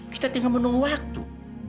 kita tinggal menunggu waktu